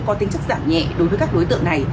có tính chất giảm nhẹ đối với các đối tượng này